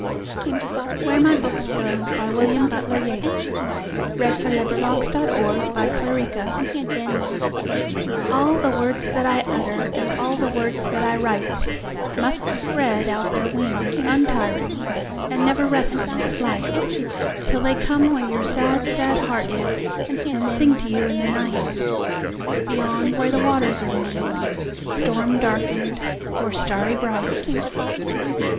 glish Verse: 1250–1900. William Butler Yeats. b. 1865 862. Where My Books go ALL the words that I utter, And all the words that I write, Must spread out their wings untiring, And never rest in their flight, Till they come where your sad, sad heart is, 5 And sing to you in the night, Beyond where the waters are moving, Storm darken'd or starry bright.